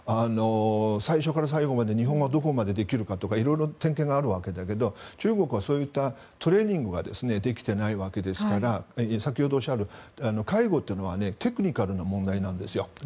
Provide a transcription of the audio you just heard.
最初から最後まで日本語はどこまでできるかとか色々点検があるわけだけど中国はそういったトレーニングができていないわけですから先ほどおっしゃった介護というのはテクニカル技術の問題なんです。